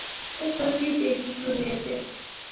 اوہ سوٹی ٹیکی ٹُرنے سے